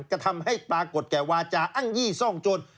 จะทำให้ปรากฏแก่วาจาอ้างยี่ซ่องโจร